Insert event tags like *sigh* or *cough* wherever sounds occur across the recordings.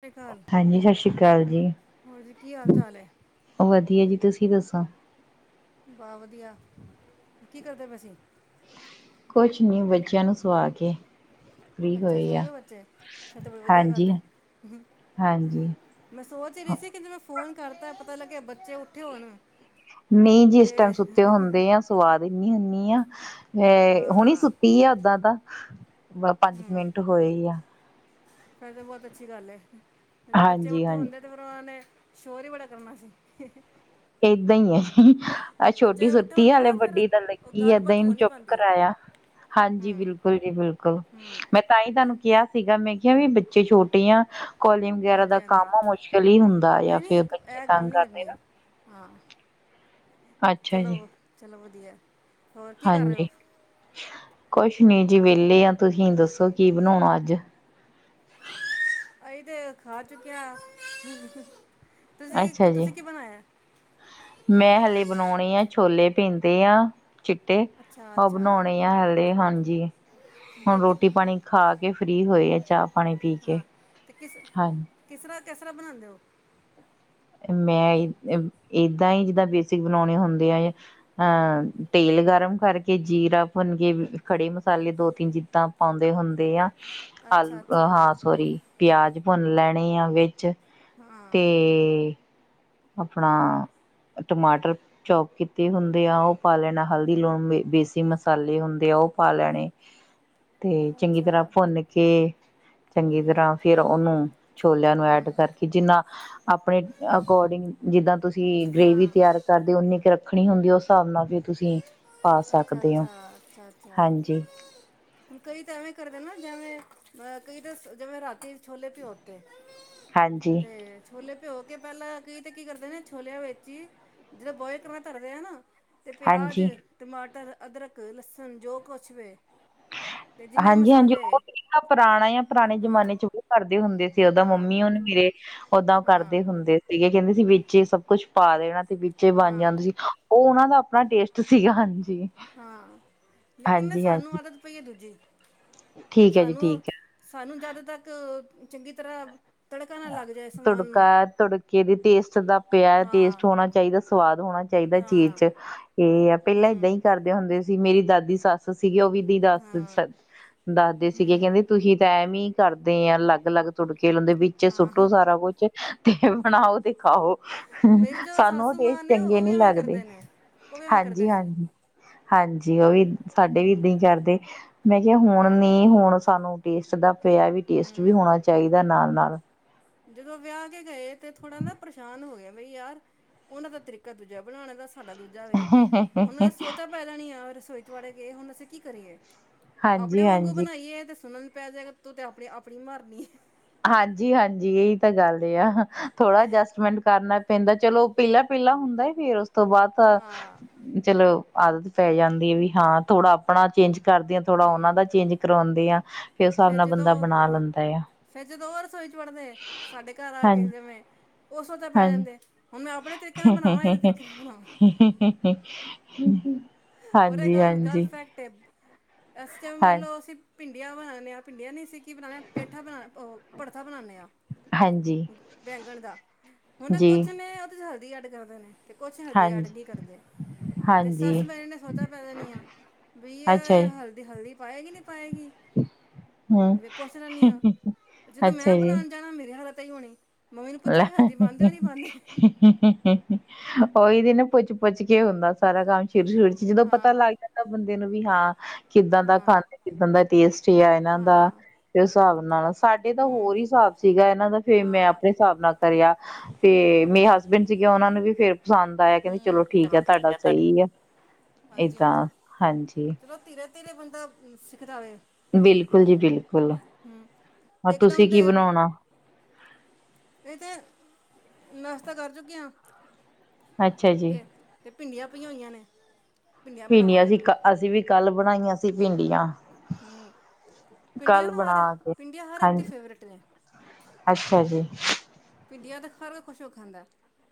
ਸਤਿ ਸ਼੍ਰੀ ਅਕਾਲ ਹਾਂਜੀ, ਸ਼ਸ਼ੀ ਕਾਲ ਜੀ। ਹੋਰ ਜੀ ਕੀ ਹਾਲ ਚਾਲ ਹੈ ਵਧੀਆ ਜੀ ਤੁਸੀਂ ਸੀ ਦੱਸੋ? ਬਹ ਵਧੀਆ। ਕੀ ਕਰਦੇ ਪਸੀਂ ਕੋਂਛ ਨੀ। ਬੱਚਿਆਂ ਨੂੰ ਸੋਆ ਕੇ ਫ੍ਰਰੀ ਅੱਛਾ, ਹੋਏ ਸੋ ਆ ਗਏ ਬੱਚੇ। ਫ ਤੇ ਬਈ ਵਧੀਆ ਗੱਲ ਹਾਂਜੀ ਏ। ਹਾਂਜੀ ਮੈਂ ਸੋਚ ਹੀ ਰਹੀ ਸੀ ਕਹਿੰਦੇ ਮੈਂ ਫੋਨ ਕਰਤਾ। ਪਤਾ ਲੱਗਿਆ ਬੱਚੇ ਉੱਠੇ ਹੋਣ ਨੀ ਜਿਸ ਤੇ ਟੈਮ ਸੁੱਤੇ ਹੁੰਦੇ ਆ ਸਵਾ ਦਿਨੀਂ ਹੁੰ ਨੀ ਆ ਅ ਹੁਣੀ ਹਾਂ ਸੁੱਤੀ ਔਧਾ ਤਾ ਬ ਪੰਜ ਕੁ ਮਿੰਟ ਹੋਏ ਇ ਆ। ਫੇਰ ਤਾਂ ਬਹੁਤ ਅੱਛੀ ਗੱਲ ਏ। ਜ ਬੱਚੇ ਹਾਂਜੀ ਉੱਠੇ ਹਾਂਜੀ ਹੁੰਦੇ ਤੇ ਫੇਰ ਉਹਨਾ ਨੇ ਸ਼ੋਰ ਹੀ ਬੜਾ ਕਰਨਾ ਸੀ। ਏਦਾਂ ਹੀ ਏ। ਅਹ, ਛੋਟੀ ਬੱਚੇ ਉੱਠੇ ਸੁੱਤੀ ਏ ਹੁੰਦੇ ਹੱਲੇ, ਨਾ ਫਿਰ ਵੱਡੀ ਤਾ ਉਹ ਲੱਗੀ ਏਦਾਂ ਗੱਲਬਾਤ ਹੋ ਹੀਨ। ਨਹੀਂ ਚੁੱਪ ਪਾਉਂਦੀ ਕਰਾਯਾ। ਹਾਂਜੀ, ਹੂੰ ਬਿਲਕੁਲ ਜੀ, ਬਿਲਕੁਲ। ਹੂੰ ਮੈਂ ਤਾਂ ਹੀ ਤਾਂਨੂੰ ਕਿਹਾ ਸੀਗਾ, ਮੈਂ ਕਿਹਾ ਵੀ, ਬੱਚੇ ਛੋਟੇ ਆ ਕੋਲੀਮ ਵਗੈਰਾ ਹਾਂਜੀ ਦਾ ਹਾਂਜੀ ਕੰਮ ਮੁਸ਼ਕਲ ਹੀ ਹੁੰਦਾ ਏ। ਯਾਂ ਨਹੀਂ ਨਹੀਂ ਫੇਰ ਇੱਕ ਬੱਚੇ ਇਹ ਗੱਲ ਤੰਗ ਨਹੀਂ ਕਰਦੇ ਕਰਨੀ ਆ ਹਾਂ। ਜੀ ਚਲੋ, ਚਲੋ ਵ ਦਿਆ ਹੋਰ ਕੀ ਕਰ ਰਹੇ ਹਾਂਜੀ ਹੋ? ਕੁਛ ਨੀ ਜੀ ਵਹਲੇ ਆ, ਤੁਸੀਂ ਦੱਸੋ ਕੀ ਬਣਾਉਣਾ ਅੱਜ ਹੀ ਤੇ ਖਾ ਚੁੱਕਿਆ। ਅੱਛਾ! ਜੀ ਮੈਂ ਹਾਲੇ ਬਣਾਉਣ- ਨਈ ਆ ਛੋਲੇ ਪੀਂਦੇ ਆ। ਚਿੱਟੇ ਅੱਛਾ ਉਹ ਅੱਛਾ ਬਣਾਉਣੇ ਆ, ਹਲੇ ਹਾਂਜੀ ਤੇ ਹੁਣ ਕਿ ਰੋਟੀ ਪਾਣੀ ਖਾ ਕੇ ਫ੍ਰਰੀ ਹੋਏ ਹੈ ਚ ਪਾਣੀ ਪੀ ਕੇ ਹਾਂ ਤੇ ਕਿਸ ਹਾਂਜੀ। ਕਿਸ ਤਰ੍ਹਾਂ ਕਿਸ ਤਰ੍ਹਾ ਬਣਾਉਂਦੇ ੳ ਮੈਂ ਏਦਾਂ ਹੀ ਜਿੱਦਾਂ, ਬੇਸਿਕ ਬਣਾਉਣੇ ਹੁੰਦੇ ਆ, ਅਹ ਤੇਲ ਗਰਮ ਕਰਕੇ, ਜੀਰਾ ਭੁੰਨ ਕੇ ਖੜੇ ਮਸਾਲੇ ਦੋ ਤਿੰਨ ਜਿੱਦਾਂ ਪਾਉਂਦੇ ਹੁੰਦੇ ਆ। ਅੱਛਾ ਆਲੂ ਅੱਛਾ ਹਾਂ ਸੋਰੀ ਪਿਆਜ ਭੁੰਨ ਲੈਣੇ ਆ ਵਿੱਚ ਹਾਂ ਤੇ ਆਪਣਾ ਟਮਾਟਰ ਚੋਪ ਕੀਤੇ ਹੁੰਦੇ ਆ, ਉਹ ਪਾ ਲੈਣਾ ਹਲਦੀ, ਲੂਣੇ ਬੇਸਿਕ ਮਸਾਲੇ ਹੁੰਦੇ ਆ ਉਹ ਪਾ ਲੈਣੇ। ਤੇ ਚੰਗੀ ਅੱਛਾ ਤਰ੍ਹਾਂ ਭੁੰਨ ਕੇ ਚੰਗੀ ਤਰ੍ਹਾਂ ਫਿਰ ਉਹਨੂੰ ਛੋਲਿਆਂ ਨੂੰ ਐਡ ਕਰਕੇ ਜਿੰਨਾ ਆਪਣੇ ਅਕੋਰਡਿੰਗ ਜਿੱਦਾਂ ਤੁਸੀਂ ਗ੍ਰੇਵੀ ਹਾਂ ਤਿਆਰ ਕਰਦੇ ਹੋ ਉਨੀ ਕੁ ਰੱਖੋ ਰੱਖਣੀ ਹੁੰਦੀ ਉਸ ਹਿਸਾਬ ਨਾਲ ਵੀ ਤੁਸੀਂ ਪਾ ਅੱਛਾ, ਸਕਦੇ ਹੋ ਅੱਛਾ, ਅੱਛਾ ਅੱਛਾ। ਹਾਂਜੀ ਹੁਣ ਕਈ ਤਾਂ ਐਵੇਂ ਕਰਦੇ ਨਾ ਜਿਵੇਂ ਅ ਕਈ ਤਾਂ ਜਿਵੇਂ ਰਾਤੀ ਛੋਲੇ ਭਿਓ ਤੇ ਹਾਂਜੀ ਤੇ ਛੋਲੇ ਭਿਓ ਕੇ ਪਹਿਲਾਂ ਕਈ ਤੇ ਕੀ ਕਰਦੇ ਨਾ ਛੋਲਿਆਂ ਵਿੱਚੇ ਹੀ ਜਿਵੇ ਬੋਇਲ ਕਰਨਾ ਧਰਦੇ ਆ ਨਾ ਤੇ ਪਿਆਜ ਹਾਂਜੀ ਟਮਾਟਰ, ਅਦਰਕ, ਲੱਸਣ ਜੋ ਕੁਛ ਵੇ। ਤੇ ਜਿੰਨੇ ਹਾਂਜੀ, ਹਾਂਜੀ ਮਸਾਲੇ ਉਹ ਤਰੀ ਪੁਰਾਣਾ ਜਾਂ ਪੁਰਾਣੇ ਹਾਂ ਜਮਾਨੇ ਚ ਉਹ ਕਰਦੇ ਹੁੰਦੇ ਤੇ ਦਾਂ ਹਾਂ ਮੰਮੀ ਉਹਨੇ ਮੇਰੇ ਓਦਾਂ ਹਾਂ ਕਰਦੇ ਹੁੰਦੇ ਸੀ। ਕਹਿੰਦੇ ਸੀ ਵੇੇ ਸਭ ਕੁੱਛ ਪਾ ਦੇਣਾ। ਵਿੱਚੇ ਬਣ ਹਾਂ ਜਾਂਦੇ ਸੀ ਉਹ ਉਹਨਾਂ ਦਾ ਆਪਣਾ ਟੇਸਟ ਸੀਗਾ ਹਾਂਜੀ। ਹਾਂ ਲੇਕਿਨ ਹਾਂਜੀ ਸਾਨੂੰ ਹਾਂਜੀ ਆਦਤ ਪਈ ਹੈ ਦੂਜੀ ਠੀਕ ਹੈ ਜੀ ਠੀਕ ਸਾਨੂੰ ਹੈ ਸਾਨੂੰ ਜਦ ਤੱਕ ਚੰਗੀ ਤਰ੍ਹਾਂ ਤੜਕਾ ਨਾ ਲੱਗ ਜਾਏ ਸਮਾਨ ਨੂੰ ਤੜਕਾ ਤੜਕੇ ਦੇ ਟੇਸਟ ਦਾ ਪਿਆ ਹਾਂ ਟੇਸਟ ਹੋਣਾ ਚਾਹੀਦਾ ਸਵਾਦ ਹੋਣਾ ਚਾਹੀਦਾ ਚੀਜ਼ ਹਾਂ ਚ ਇਹ ਏ ਪਹਿਲਾਂ ਏਦਾਂ ਹੂੰ ਹੀ ਕਰਦੇ ਹੁੰਦੇ ਸੀ ਮੇਰੀ ਦਾਦੀ ਸੱਸ ਸੀ, ਸੀਗੀ ਉਹ ਵੀ ਦੀ ਦੱਸ ਹਾਂ ਦੱਸਦੇ ਸੀਗੇ ਹੂੰ ਕਹਿੰਦੇ ਤੁਸੀਂ ਤਾਂ ਐ ਵੀ। ਕਰਦੇ ਆ ਅਲੱਗ ਅਲੱਗ ਤੁੜਕੇ ਲਾਂਦੇ। ਵਿਚੇ ਸੁੱਟੋ ਹਾਂ ਸਾਰਾ ਕੁੱਛ ਤੇ ਬਣਾਓ ਤੇ ਖਾਓ। ਮੇਰੀ ਜੋ ਸਾਨੂੰ ਉਹ ਸਾਸੂ ਟੇਸਟ ਮਾਂ ਨੇ ਚੰਗੇ ਉਹ ਵੀ ਨੀ ਐਵੇਂ ਲੱਗਦੇ ਕਰਦੇ ਨੇ ਉਹ ਵੀ ਐਵੇਂ ਕਰਦੇ ਹਾਂਜੀ ਸੀ ਹਾਂਜੀ। ਹਾਂਜੀ ਉਹ ਵੀ ਸਾਡੇ ਵੀ ਇਦਾਂ ਹੀ ਕਰਦੇ, ਮੈਂ ਕਿਹਾ ਹੁਣ ਹਾਂ ਨਹੀਂ ਹੁਣ ਸਾਨੂੰ ਟੇਸਟ ਦਾ ਪਿਆ ਵੀ ਟੇਸਟ ਵੀ ਹੂੰ ਹੋਣਾ ਚਾਹੀਦਾ ਨਾਲ ਨਾਲ। ਜਦੋਂ ਵਿਆਹ ਕੇ ਗਏ ਤੇ ਥੋੜਾ ਨਾ ਪਰੇਸ਼ਾਨ ਹੋ ਗਿਆ ਬਈ ਯਾਰ ਉਹਨਾਂ ਦਾ ਤਰੀਕਾ ਦੂਜਾ ਬਣਾਉਣ ਦਾ ਸੀ ਸਾਡਾ ਦੂਜਾ ਵੇ। ਹੁਣ ਸੋਚਾ ਪੈਜਾਣੀਆ ਰਸੋਈ ਵਾੜ ਗਏ ਹੁਣ ਅਸੀਂ ਕੀ ਕਰੀਏ। ਆਪਣੇ ਹਾਂਜੀ ਵਾਂਗੂ ਹਾਂਜੀ ਬਣਾਈਏ ਤੇ ਸੁਣਨ ਨੂੰ ਪੈ ਜੇਗਾ। ਤੂੰ ਤੇ ਆਪਣੀ ਆਪਣੀ ਮਾਰਨੀ ਹੈ। ਹਾਂਜੀ ਹਾਂਜੀ ਇਹੀ ਤਾਂ ਗੱਲ ਹੀ ਆ ਥੋੜਾ ਅਰਜਸਟਮੈਂਟ ਕਰਨਾ ਪੈਂਦਾ ਚਲੋ ਪਹਲਾ ਪਹਲਾ ਹੁੰਦਾ ਫੇਰ ਉਸ ਤੋਂ ਬਾਅਦ ਹਾਂ ਤਾਂ ਚਲੋ ਆਦਤ ਪੈ ਜਾਂਦੀ ਹੈ ਵੀ ਹਾਂ ਥੋੜਾ ਆਪਣਾ ਚੇਜ ਕਰਦੀ ਹਾਂ ਥੋੜਾ ਉਹਨਾ ਦਾ ਚੇਂਜ ਕਰਵਾਉਂਦੀਆ ਫਿਰ ਉਸ ਹਿਸਾਬ ਨਾਲ ਬੰਦਾ ਬਣਾ ਲੈਂਦਾ ਆ। ਫੇਰ ਜਦੋਂ ਉਹ ਰਸੋਈ ਚ ਵੜਦੇ ਸਾਡੇ ਘਰ ਆ ਕੇ ਹਾਂਜੀ ਜਿਵੇਂ ਉਹ ਸੋਚਾਂ ਪੈ ਜਾਂਦੇ ਹਾਂਜੀ ਹੁਣ ਮੈਂ ਆਪਣੇ ਤਰੀਕੇ ਨਾਲ ਬਣਾਵਾਂ ਇਹਦੇ *unintelligible* ਤਰੀਕੇ ਨਾਲ ਬਣਾਵਾਂ ਹੂੰ ਹੂੰ ਉਰੇ ਗੱਲ ਗੱਲ ਫੈਕਟ ਅਸੀਂ ਹਾਂ ਮੰਨਲਓ ਅਸੀਂ ਭਿੰਡੀਆਂ ਬਣਾਉਂਦੇ ਆ ਭਿੰਡੀਆਂ ਨੀ ਸੀ ਕੀ ਬਣਾਉਣੇ ਪੇਠਾ ਬਹ ਪੜਥਾ ਬਣਾਨੇ ਆ ਹਾਂਜੀ ਬੈਂਗਣ ਦਾ ਹੁਣ ਜੀ ਕੁਛ ਨੇ ਉਹਦੇ ਹਲਦੀ ਐਡ ਕਰਦੇ ਨੇ। ਤੇ ਕੁਛ ਹਦੀ ਅੜ ਹਾਂਜੀ ਨੀ ਕਰਦੇ। ਤੇ ਹਾਂਜੀ ਸੱਸ ਤੇ ਮੇ ਨਾ ਸੋਚਾ ਪੈ ਜਾਨੀਆ ਬਈ ਅੱਛਾ ਐ ਜੀ ਹਲਦੀ ਹਲਦੀ ਪਾਏਗੀ ਨੀ। ਪਾਏਗੀ, ਹਮ ਵੇ ਪੋਛ ਲੈਂਣੀ ਆਂ, ਜਦੋਂ ਮੈਂ ਬਣੋਣ ਜਾਣਾ ਮੇਰੀ ਹਾਲਤ ਥੋਣੀ *unintelligible* ਹੋਈਦੀ ਨਾ ਪੁੱਛ ਪੁੱਛ ਕੇ ਹੁੰਦਾ ਸਾਰਾ ਕੰਮ। ਫਿਰ ਸਿਰ ਚ ਜਦੋਂ ਪਤਾ ਹਾਂ ਲੱਗ ਜਾਂਦੈਂ ਬੰਦਾ ਦੇ ਨਵੀ ਹਾਂ। ਕਿੱਦਾਂ ਦਾ ਹਾਂ ਖਾਂਦੇ, ਕਿੱਦਾਂ ਦਾ ਟੇਸਟ ਆ ਏਨਾਂ ਦਾ, ਹਾਂ ਤੇ ਉਸ ਸਾਬ ਨਵਾ ਸ ਸਾਡੇ ਤਾਂ ਹੂੰ ਹੋਰ ਈ ਸਾਬ ਸੀਗਾ ਏਨਾਂ ਦਾ ਫੇਰ ਮੈਂ ਹਾਂ ਅ ਨਾ ਕਰਿਆ ਤੇ ਮੇਰੇ ਹਸਬੈਂਡ ਸੀਗੇ ਓਨਾ ਨੂੰ ਵੀ ਫੇਰ ਪਸੰਦ ਆਇਆ ਕੈੰਦੇ ਚਲੋ ਹੂੰ ਠੀਕ ਹੈ ਤੁਹਾਡਾ ਸਹੀ ਐ ਹਾਂਜੀ ਏਦਾਂ ਹਾਂਜੀ। ਹਾਂਜੀ। ਚਲੋ ਧੀਰੇ ਧੀਰੇ ਬੰਦਾ ਸਿੱਖਦਾ ਵੇ ਬਿਲਕੁਲ ਜੀ ਬਿਲਕੁਲ, ਹੂੰ ਔਰ ਤੁਸੀਂ ਇਕਦਮ ਕੀ ਬਣੋਣਾ। ਏਹ ਤਾਂ ਨਾਸ਼ਤਾ ਕਰ ਚੁੱਕੇ ਆਂ। ਅੱਛਾ ਜੀ। ਭਿੰਡੀਆਂ ਪਈਆਂ ਹੋਈਆਂ ਨੇ। ਭਿੰਡੀਆਂ ਬਿੰਡੀਆਂ ਬਣਾਵਾਂਗੇ ਅਸੀ ਹੁਣ ਕ ਅਸੀਂ ਵੀ ਕੱਲ ਬਣਾਈਆਂ ਸੀ ਭਿੰਡੀਆਂ। ਹੂੰ ਪਿੰਡੀਆਂ ਕੱਲ ਨਾ ਬਣਾ ਹਰ ਕੇ ਪਿੰਡੀਆਂ ਹਰ ਏਕ ਦੀ ਹਾਂਜੀ ਫੇਵਰੇਟ ਨੇ। ਅੱਛਾ ਜੀ। ਭਿੰਡੀਆਂ ਦਾ ਹਰ ਖੂਸ਼ ਹੋ ਕੇ ਖਾਂਦੈ।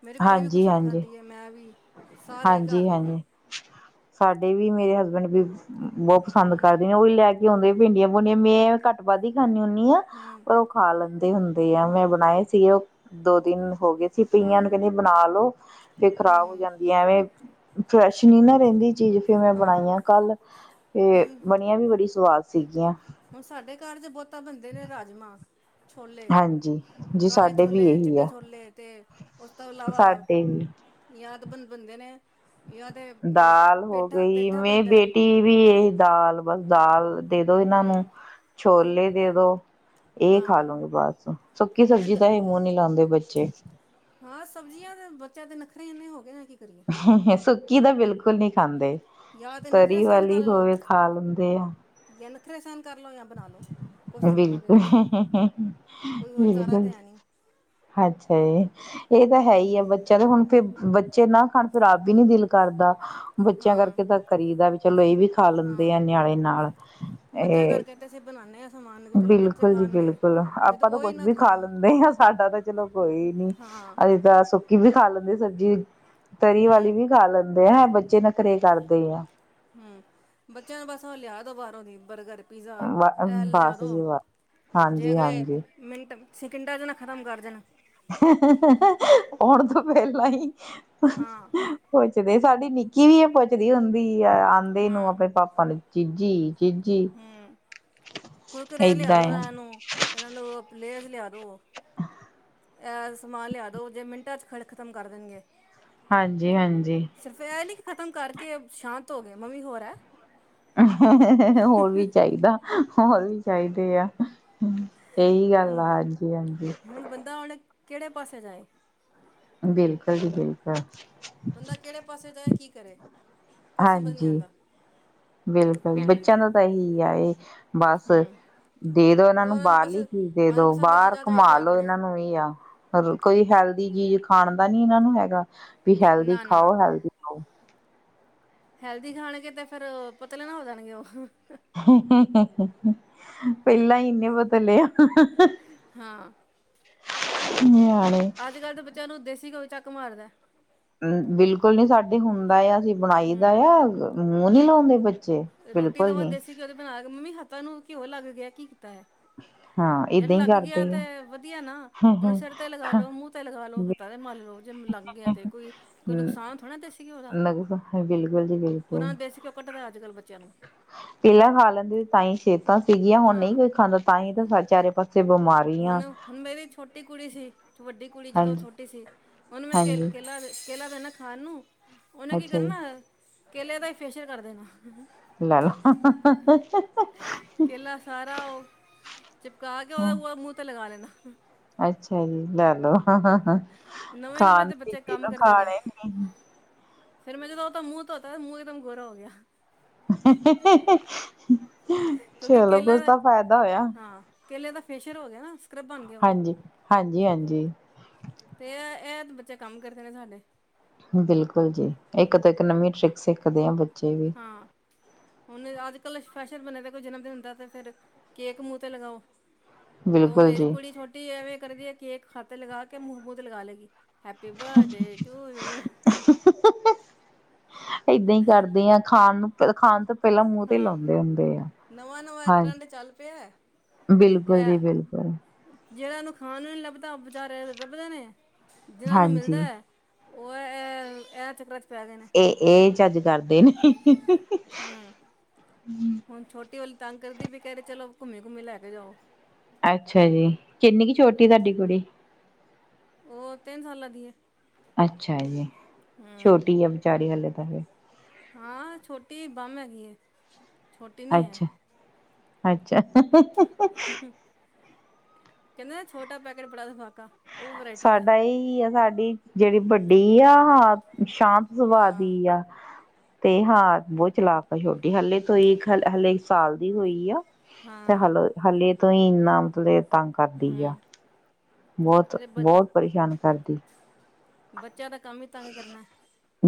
ਮੇਰੀ ਕੁੜੀ ਵੀ ਹਾਂਜੀ ਖੁਸ਼ ਹੋ ਕੇ ਹਾਂਜੀ ਖਾਂਦੀ ਐ, ਮੈਂ ਵੀ। ਸਾਰੇ ਹੀ ਘਰ ਹਾਂਜੀ ਦੇ ਹਾਂਜੀ, ਸਾਡੇ ਵੀ ਵੀ ਮੇਰੇ ਹਸਬੈਂਡ ਬੀ ਬੌ ਪਸੰਦ ਹੂੰ ਕਰਦੇ ਨੇ ਔ ਈ ਲੈ ਕੇ ਆੰਦੇ ਭਿੰਡੀਆਂ ਭੁਡੀਆਂ, ਮੇਂ ਘੱਟ ਵਧ ਹੀ ਖਾਂਣੀ ਹੁੰਦੀ ਣੀ ਆ, ਹੂੰ ਓਹ ਖਾ ਲੈਂਦੇ ਹੁੰਦੇ ਆ ਮੈਂ ਹੂੰ ਬਣਾਏ ਸੀਗੇ ਔ। ਦੋ ਦਿਨ ਹੋਗੇ ਸੀ ਪਈਆਂ ਨੂੰ ਹਾਂ ਕੈੰਦੇ ਬਣਾ ਲੋ, ਫੇਰ ਖਰਾਬ ਹੋ ਹੂੰ ਜਾਂਦੀਆਂ ਵੇਂ। ਫਰੈਸ਼ ਨੀ ਨਾ ਰਹਿੰਦੀ। ਚੀਜ਼ ਤੇ ਫੇਰ ਮੈਂ ਹਾਂ ਬਣਾਈਆ ਕੱਲ੍ਹ ਤੇ ਹੁਣ ਬਣਿਆ ਵੀ ਬੜੀ ਸਵਾਦ ਸੀਗੀਆਂ। ਹੁਣ ਸਾਡੇ ਘਰ ਤ ਬਹੁਤ ਤਾਂ ਬਣਦੇ ਨੇ ਰਾਜਮਾਂ ਛੋਲੇ ਹਾਂਜੀ ਜੀ ਕਾਲੇ ਸਾਡੇ ਵੀ ਛੋਲੇ, ਇਹੀ ਚਿੱਟੇ ਆ ਛੋਲੇ ਅਤੇ ਉਸ ਤੋਂ ਇਲਾਵਾ ਸਾਡੇ ਵੀ ਜਾਂ ਬੰ ਬਣਦੇ ਨੇ। ਜਾਂ ਤੇ ਦਾਲ ਹੋ ਪੇਠਾ ਗਈ, ਪੇਠਾ ਮੇਰੀ ਬਣਦਾ ਬੇਟੀ ਵੀ ਇਹ ਦਾਲ ਬਸ ਦਾਲ ਦੇ ਦੋ ਇਹਨਾਂ ਨੂੰ ਹੂੰ ਛੋਲੇ ਦੇ ਦੋ ਇਹ ਖਾ ਹਾਂ ਲਉਗੇ ਬਸ। ਸੁੱਕੀ ਸਬਜ਼ੀ ਤਾਂ ਇਹ ਮੂੰਹ ਨੀ ਲਾਉਂਦੇ ਬੱਚੇ *unintelligible* ਹਾਂ, ਸਬਜ਼ੀਆਂ ਦੇ ਬੱਚਿਆਂ ਦੇ ਨੱਖਰੇ ਇੰਨੇ ਹੋ ਗਏ ਨੇ ਕਿ ਸ ਸੁਕੀ ਤਾਂ ਬਿਲਕੁਲ ਨਹੀਂ ਖਾਂਦੇ ਜਾਂ ਤੇ ਨੱਖਰੇ ਤਰੀ ਸਹਿਣ ਵਾਲੀ ਕਰ ਲਓ, ਹੋਵੇ ਜਾਂ ਨਖਰੇ ਸਹਿਣ ਕਰ ਲਓ ਜਾਂ ਬਣਾ ਲਓ ਕੁਛ ਤਾਂ ਕਰਨਾ ਪਏਗਾ ਬਿਲਕੁਲ-ਬਿਲਕੁਲ, ਕੋਈ ਹੋਰ ਚਾਰਾ ਤਾਂ ਹੈ ਨਹੀਂ ਅੱਛਾ ਜੀ। ਹ *inaudible* ਇਹ ਤਾਂ ਹੈ ਹੀ ਆ, ਬੱਚਿਆਂ ਦੇ ਹੁਣ ਫੇ ਬੱਚੇ ਨਾ ਖਾਣ ਫਿਰ ਆਪ ਵੀ ਨੀ ਦਿਲ ਕਰਦਾ। ਬੱਚਿਆਂ ਹਾਂ ਕਰਕੇ ਤਾਂ ਕਰੀਦਾ, ਵੀ ਚਲੋ ਇਹ ਵੀ ਖਾ ਲੈਂਦੇ ਹਾਂ ਆ ਨਿਆਣੇ ਨਾਲ ਬੱਚਾ ਇਹ ਕਰਕੇ ਤਾਂ ਅਸੀਂ ਬਣਾਉਂਦੇ ਹਾਂ ਸਮਾਨ ਚਲੋ ਬੱਚੇ ਬਿਲਕੁਲ ਜੀ, ਖਾਣਗੇ ਬਿਲਕੁਲ ਜਦੋਂ ਆਪਾਂ ਤਾਂ ਉਹੀ ਕੁੱਛ ਨਾ ਵੀ ਖਾ ਖਾਣਾ ਲੈਂਦੇ ਹਾਂ, ਸਾਡਾ ਤਾਂ ਚਲੋ ਕੋਈ ਨੀ, ਹਾਂ ਅਸੀਂ ਤਾਂ ਸੁੱਕੀ ਵੀ ਖਾ ਖਾ ਲੈਂਦੇ ਸਬਜ਼ੀ। ਤਰੀ ਵਾਲੀ ਹੂੰ ਵੀ ਖਾ ਲੈਂਦੇ। ਤੇ ਇਹ ਬੱਚੇ ਨਖਰੇ ਕਰਦੇ ਆ। ਹੂ ਬੱਚਿਆਂ ਨੂੰ ਬਸ ਉਹ ਲਿਆ ਦੋ ਬਾਹਰੋਂ ਦੀ ਬਰਗਰ ਪੀਜ਼ਾ ਵ ਇਹ ਲਿਆ ਬਸ ਦਿਉ, ਜੀ ਬਸ ਜੇ ਹਾਂਜੀ ਹਾਂਜੀ ਅਗਲੇਮਿੰਟ ਸਿਕਿੰਡਾ 'ਚ ਨਾ ਖਤਮ ਕਰ ਜਾਣ ਹੋਣ ਤੋਂ ਪਹਿਲਾਂ ਹੀ ਹਾਂ। ਪਚਦੇ ਸਾਡੀ ਨਿੱਕੀ ਵੀ ਇਹ ਪੁਛਦੀ ਹੁੰਦੀ। ਆਉਂਦੇ ਨੂੰ ਹਾਂ ਆਪਣੇ ਪਾਪਾ ਨੂੰ। ਚਿੱਜੀ। ਹੂੰ, ਕੁਰਕਰੇ ਤੇ ਲਿਆ ਏਦਾਂ ਦੋ ਆ ਇਹਨੂੰ ਇਹਨਾਂ ਨੂੰ ਲੇਸ ਲਿਆ ਦੋ। ਐ ਸਮਾਨ ਲਿਆ ਦੋ ਜੇ ਮਿੰਟਾਂ 'ਚ ਖੜ ਖ਼ਤਮ ਕਰ ਦੇਣਗੇ। ਹਾਂਜੀ-ਹਾਂਜੀ। ਸਿਰਫ ਇਹ ਨੀ ਕਿ ਖ਼ਤਮ ਕਰਕੇ ਸ਼ਾਂਤ ਧੋ ਗਏ ਮੰਮੀ ਹੋਰ ਹੈ। *unintelligible* ਹੋਰ ਵੀ ਚਾਹੀਦਾ। ਹੋਰ ਵੀ ਚਾਹੀਦੇ ਆ ਹ ਇਹੀ ਗੱਲ ਹੁਣ ਆ, ਹਾਂਜੀ-ਹਾਂਜੀ। ਹੁਣ ਬੰਦਾ ਹੁਣ ਕਿਹੜੇ ਪਾਸੇ ਜਾਏ? ਬਿਲਕੁਲ ਜੀ ਬਿਲਕੁਲ। ਬੰਦਾ ਕਿਹੜੇ ਪਾਸੇ ਜਾਏ, ਕੀ ਕਰੇ? ਕੁਛ ਸਮਝ ਨਹੀਂ ਹਾਂਜੀ, ਆਉਂਦਾ ਬਿਲਕੁਲ ਬੱਚਿਆਂ ਦਾ ਤਾਂ ਇਹੀ ਆ ਇਹ ਬਸ ਹੂੰ ਦੇ ਦੋ ਇਹਨਾਂ ਬਸ ਨੂੰ ਉਹਨਾਂ ਬਸ ਬਾਹਰਲੀ ਚੀਜ਼ ਦੇ ਦੋ ਮਨਪਸੰਦ ਦੀ ਬਾਹਰ ਚੀਜ਼ਾਂ ਘੁਮਾ ਚਾਹੀਦੀਆਂ ਲੋੋ ਆਪਣੇ ਇਹਨਾਂ ਨੂੰ ਹੀ ਆ ਕੋਈ ਹੈਲਥ ਦੀ ਜੀਜ ਖਾਣ ਦਾ ਨੀ ਇਹਨਾਂ ਨੂੰ ਹੈਗਾ। ਵੀ ਹੈਲਦੀ ਨਾ ਨਾ ਖਾਓ ਹੈਲਦੀ ਰੋ। ਹੈਲਦੀ ਖਾਣਗੇ ਤੇ ਫਿਰ ਪਤਲੇ ਨਾ ਹੋ ਜਾਣਗੇ ਔ। *unintelligible* ਪਹਿਲਾਂ ਇਨੇ ਪਤਲੇ ਆਂ। ਹਾਂ। *inaudible* ਅੱਜ ਕੱਲ੍ਹ ਦੇ ਬੱਚਿਆਂ ਨੂੰ ਦੇਸੀ ਘਿਉ ਚੱਕ ਮਾਰਦਾ। ਬਿਲਕੁਲ ਨੀ ਸਾਡੇ ਹੁੰਦਾ ਆ ਅਸੀ। ਬਣਾਈ ਦਾ ਹੂੰ ਆ। ਮੂੰਹ ਨੀ ਲਾਉਂਦੇ ਬੱਚੇ ਰੋਟੀ ਬਿਲਕੁਲ ਦਵਾ ਨੀ ਦੇਸੀ ਘਿਓ ਉਹਦੀ ਬਣਾ ਮੰਮੀ ਹੱਥਾਂ ਨੂੰ। ਘਿਉ ਲੱਗ ਗਿਆ ਕੀ? ਹਾਂ ਯਾਰ ਏਦਾਂ ਹੀ ਲੱਗ ਕਰਦੇ ਗਿਆ ਤੇ ਆ ਵਧੀਆ ਨਾ ਉਹਨੂੰ। ਸਿਰ ਤੇ ਲਗਾ ਲੋ ਮੂੰਹ ਤੇ ਲਗਾ ਲੋ ਹੱਥਾਂ ਤੇ ਮੰਲ ਲਓ। ਜੇ ਲੰਘ ਗਿਆ ਤੇ ਕੋਈ ਕੋਈ ਨੁਕਸਾਨ ਥੋੜਾ ਨਾ ਦੇਸੀ ਘਿਓ ਦਾ, ਉਹਨਾਂ ਨਾਲ ਦੇਸੀ ਘਿਓ ਕਟਦਾ ਅੱਜ ਕੱਲ੍ਹ ਬੱਚਾ ਪੀਲਾਂ ਹਾਲ ਏਦਾਂ, ਦੇ ਤਾਈ ਸਿਹਤਾਂ ਸਿਗੀਆ ਹੁਣ ਨਹੀਂ ਹਾਂ ਕੋਈ ਖਾਂਦਾ ਤਾਂ ਹੀ ਤਾਂ ਸਾ ਚਾਰੇ ਪਾਸੇ ਬਿਮਾਰੀਆਂ ਹੁਣ ਹੁਣ ਮੇਰੀ ਛੋਟੀ ਕੁੜੀ ਸੀ ਵੱਡੀ ਕੁੜੀ ਜਦੋਂ ਹਾਂਜੀ ਛੋਟੀ ਸੀ। ਔਨੂੰ ਮੈਂ ਹਾਂਜੀ ਕੇ-ਕੇਲਾ-ਕੇਲਾ ਦੇਣਾ। ਖਾਣ ਨੂ ਔਨੇ ਕੀ ਅੱਛਾ ਜੀ ਕਰਨਾ ਆਹ ਕੇਲੇ ਦਾ ਹੀ ਫੇਸੀਅਲ ਕਰ ਦੇਨਾ। ਲੈ ਲੋ। ਹਾਹਾਹਾਹਾ ਕੇਲਾ ਸਾਰਾ ਉਹ ਚਿਪਕਾ ਕੇ ਉਹਦਾ *unintelligible* ਤੇ ਲਗਾ ਲੈਣਾ। ਅੱਛਾ ਜੀ, ਲੈ ਲੋ। ਨਵੇਂ ਨਵੇਂ ਖਾਣ ਤੇ ਬੱਚੇ ਪੀਨ, ਕੰਮ ਕਰਦੇ ਨੇ ਖਾਣੇ ਕੀ ਫਿਰ ਮੈਂ ਜਦੋਂ ਹਉਦਾ ਮੁੂੰਹ ਧੋਤਾ, ਮੁੂੰਹ ਇੱਕਦਮ ਗੋਰਾ ਹੋ ਗਿਆ। ਹਾਹਾਹਾਹਾ! ਕਿਉਂਕਿ ਚਲੋ, ਕੇਲਾ ਕੁੱਛ ਦਾ ਤਾ ਫਾਇਦਾ ਹੋਇਆ। ਹਾਂ ਕੇਲੇ ਦਾ ਫੇਸ਼ਅਰ ਹੋ ਗਿਆ ਨਾ। ਸਕ੍ਰਬ ਬਣ ਗਿਆ ਉਹ ਹਾਂਜੀ, ਹਾਂਜੀ ਹਾਂਜੀ ਬੱਚਾ ਕੰਮ ਕਰਦੇ ਨੇ ਸਾਡੇ। ਬਿਲਕੁਲ ਜੀ, ਇੱਕ ਤੋਂ ਇੱਕ ਨਵੀਂਆ ਟ੍ਰਿਕ ਸਿੱਖਦੇ ਆ ਬੱ ਹਾਂ ਉਹਨੇ ਅੱਜ ਕੱਲ ਫੈਸ਼ਨ ਬਣੇ ਦਾ ਕੋਈ ਜਨਮ ਦਿਨ ਹੁੰਦਾ ਤਾਂ ਫਿਰ ਕੇਕ ਮੂੰਹ ਤੇ ਲਗਾਓ। ਤੇ ਉਹ ਬਿਲਕੁਲ ਮੇਰੀ ਜੀ ਕੁੜੀ ਛੋਟੀ ਐਵੇਂ ਕਰਦੀ ਆ। ਕੇਕ ਹੱਥ ਤੇ ਲਗਾ ਕਿ ਮੂੰਹ ਤੇ ਲਗਾ ਲੈਂਗੀ। Happy birthday to you. ਏਦਾਂ ਹੀ ਕਰਦੇ ਹਾਂ। ਖਾਣ ਨੂੰ ਤੇ ਖਾਣ ਤੋਂ ਪਹਿਲਾਂ ਮੂੰਹ ਤੇ ਹਾਂ ਲਾਉਂਦੇ ਹੁੰਦੇ ਆ। ਨਵਾਂ ਨਵਾਂ ਹਾਂ, ਟਰੈਂਡ ਚੱਲ ਪਿਆ ਬਿਲਕੁਲ ਜੀ ਬਿਲਕੁਲ। ਜਿਹੜਿਆਂ ਉਹਨੂੰ ਖਾਣ ਨੂੰ ਨੀ ਲੱਭਦਾ, ਉਹ ਬੇਚਾਰੇ ਲੱਭਦੇ ਨੇ ਜਿਨਾਂ ਨੂੰ ਮਿਲਦਾ ਹਾਂਜੀ ਹੈ। ਉਹ ਇਹਹਹ ਇਹ ਚੱਕਰਾ ਵਿੱਚ ਇਹ, ਇਹ ਚੱਜ ਕਰ ਤੇ ਨੀ, ਹੀਹੀਹੀਹੀਹੀ। ਹੂੰ ਹੁਣ ਛੋਟੀ ਵਾਲੀ ਤੰਗ ਕਰਦੀ ਵੀ ਕਹਿ ਰਹੇ ਚਲੋ। ਘੁੰਮੀੇ-ਘੁੰਮੀੇ ਲੈ ਕੇ ਜਾਓ। ਅੱਛਾ ਜੀ। ਕਿੰਨੀ ਕੁ ਛੋਟੀ ਤੁਹਾਡੀ ਕੁੜੀ? ਉਹ ਤਿੰਨ ਸਾਲਾਂ ਦੀ ਹੈ। ਅੱਛਾ ਜੀ। ਹੂੰ ਛੋਟੀ ਆ ਵਿਚਾਰੀ ਹਲੇ। *unintelligible* ਹਾਂ ਛੋਟੀ ਬੰਮ ਹੈਗੀ ਐਂ। ਛੋਟੀ ਨੀ ਹੈ। ਅੱਛਾ ਅੱਛਾ। ਹੂੰ ਕਹਿੰਦੇ ਨੇ ਛੋਟਾ ਪੈਕੇਟ ਬੜਾ ਧਮਾ ਸਾਡਾ ਇਹ ਆ ਸਾਡੀ। ਜਿਹੜੀ ਵੱਡੀ ਆ ਹ ਸ਼ਾਂਤ ਸੁਭਾਅ ਹਾਂ ਦੀ ਆ। ਤੇ ਹਾਂ ਬਹੁਤ ਚਲਾਕ ਹੈ ਛੋ ਹਲੇ ਤੋਂ ਇੱਕ ਹਲ ਹਲੇ ਸਾਲ ਦੀ ਹੋਈ ਆ। ਤੇ ਹਾਂ ਹਲੋ ਹਲੇ ਤੋਂ ਹੀ ਇੰਨਾ ਮਤਲਬ ਤੰਗ ਕਰਦੀ ਆ। ਹਮ ਬਹੁਤ ਅਰੇ ਬ ਬਹੁਤ ਪਰੇਸ਼ਾਨ ਕਰਦੀ। ਬੱਚਿਆਂ ਦਾ ਕੰਮ ਹੀ ਤੰਗ ਕਰਨਾ।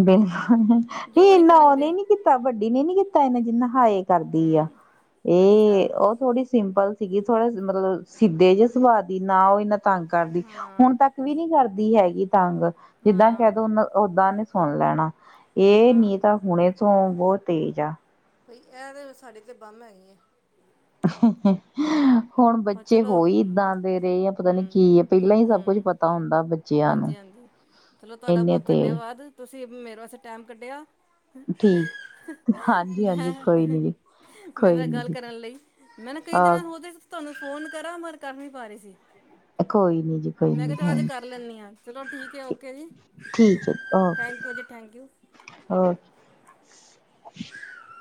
*unintelligible* ਨਹੀਂ ਜੋ ਨਹੀਂ ਇੰਨਾ ਕਰਨਗੇ ਉਹਨੇ ਨੀ ਕੀਤਾ, ਵੱਡੀ ਨੇ ਨੀ ਕੀਤਾ। ਕਹਿੰਨਾ ਜਿੰਨਾ ਹਾਏ। ਕਰਦੀ ਆ। ਹਮ ਅੱਛਾ ਇਹ ਉਹ ਥੋੜੀ ਸਿੰਪਲ ਸੀਗੀ ਥੋੜੇ ਮਤਲਬ ਸਿੱਧੇ ਜਿਹੇ ਸੁਭਾਅ ਦੀ ਨਾ ਉਹ ਇਹਨਾਂ ਤੰਗ ਕਰਦੀ। ਹਾਂ ਹੁਣ ਤੱਕ ਵੀ ਨਹੀਂ ਕਰਦੀ ਹੈਗੀ। ਕੀ ਤਂਗ ਜਿੱਦਾਂ ਕਹਿ ਹਾਂ ਦੋ ਉਨ ਓਦਾਂ ਨੇ ਸੁਣ ਲੈਣਾ। ਇਹ ਹਾਂ ਨੀ ਤਾਂ ਹੁਣੇ ਤੋਂ ਬਹੁਤ ਤੇਜ ਆ। ਬਈ ਇਹ ਤੇ ਸਾਡੇ ਤੇ ਬੰਮ ਹੈਗੀ ਐਂ। *inaudible* ਹੁਣ ਹੋਰ ਬੱਚੇ ਚਲੋ ਹੋਈ ਇਏਦਾਂ ਦੇ ਰਹੇ ਆ ਪਤਾ ਨੀ ਹਮ ਕੀ ਹੈ ਪਹਿਲਾਂ ਹੀ ਸਭ ਕੁੱਝ ਹਮ ਪਤਾ ਹੁੰਦਾ ਬੱਚਿਆਂ ਨੂੰ, ਹਾਂਜੀ ਹਾਂਜੀ ਚਲੋ ਤੁਹਾਡਾ ਇਨੇ ਬਹੁਤ ਤੇਜ। ਧੰਨਵਾਦ ਤੁਸੀਂ ਮੇਰੇ ਵਾਸਤੇ ਟਾਈਮ ਕੱਢਿਆ। ਹਾਂਜੀ ਹਾਂਜੀ ਮੈਂ, ਕੋਈ ਨੀ ਜੀ ਮੈਨੂੰ ਕੋਈ ਇਹ ਨੀ ਗੱਲ ਜੀ ਕਰਨ ਲਈ, ਮੈਂ ਨਾ ਈ ਅ ਉਹਦੇ *unintelligible* ਤੁਹਾਨੂੰ ਫੋਨ ਕਰਾਂ ਮਰ ਕਰ ਨੀ ਪਾ ਰੀ ਸੀ। ਕੋਈ ਨੀ ਜੀ ਕੋਈ ਮੈਂ ਕਿਆ ਨੀ ਚਲ ਅੱਜ ਥੈਂਕ ਕਰ ਲੈਂਣੀ ਆਂ, ਚਲੋ ਠੀਕ ਹੈ, ਓਕੇ ਜੀ। ਠੀਕ ਹੈ ਜੀ ਓਕੇ ਥੈਂਕ ਯੂ ਜੀ, ਥੈਂਕ ਯੂ। ਓਕੇ *unintelligible*